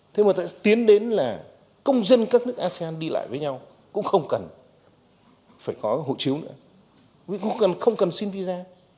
thế mà tiến đến là công dân các nước asean đi lại với nhau cũng không cần phải có hội chiếu nữa vì không cần xin visa